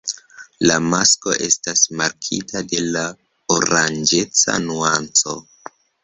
La masko estas markita de la oranĝeca nuanco.